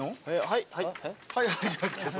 はいはいじゃなくてさ。